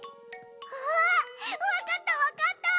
あっわかったわかった！